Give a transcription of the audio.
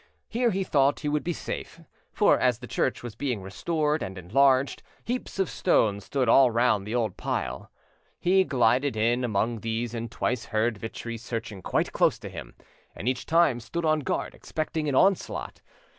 Here he thought he would be safe, for, as the church was being restored and enlarged, heaps of stone stood all round the old pile. He glided in among these, and twice heard Vitry searching quite close to him, and each time stood on guard expecting an onslaught.